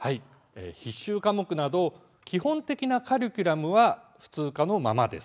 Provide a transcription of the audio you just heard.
必修科目など基本的なカリキュラムは普通科のままです。